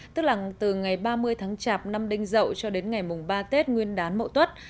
tức là từ ngày ba mươi tháng chạp năm đinh dậu cho đến ngày mùng ba tết nguyên đán mậu tuất